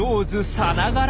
さながら！